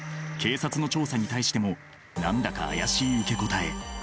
警察の調査に対しても何だか怪しい受け答え。